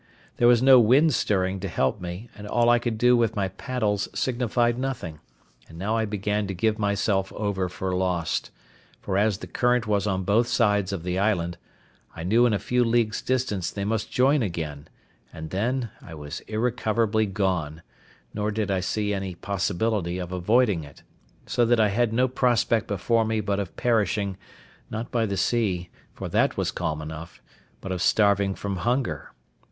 There was no wind stirring to help me, and all I could do with my paddles signified nothing: and now I began to give myself over for lost; for as the current was on both sides of the island, I knew in a few leagues distance they must join again, and then I was irrecoverably gone; nor did I see any possibility of avoiding it; so that I had no prospect before me but of perishing, not by the sea, for that was calm enough, but of starving from hunger.